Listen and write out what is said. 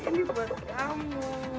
ini buat kamu